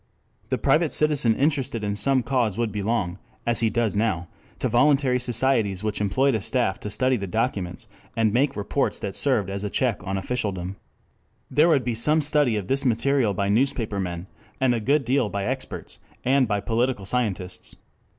The private citizen interested in some cause would belong, as he does now, to voluntary societies which employed a staff to study the documents, and make reports that served as a check on officialdom. There would be some study of this material by newspaper men, and a good deal by experts and by political scientists.